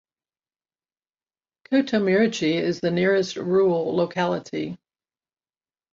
Khotomirichi is the nearest rural locality.